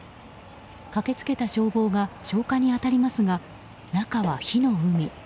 駆け付けた消防が消火に当たりますが中は火の海。